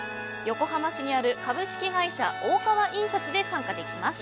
横浜市にある株式会社大川印刷で参加できます。